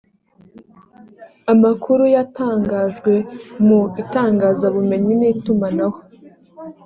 amakuru yatangajwe mu itangazabumenyi n’itumanaho